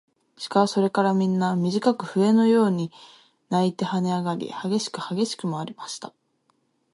鹿はそれからみんな、みじかく笛のように鳴いてはねあがり、はげしくはげしくまわりました。